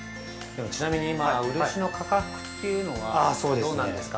ちなみに漆の価格というのはどうなんですか。